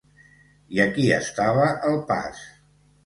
I aquí estava el pas.